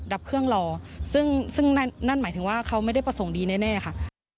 ดับเครื่องรอซึ่งนั่นหมายถึงว่าเขาไม่ได้ประสงค์ดีแน่ค่ะ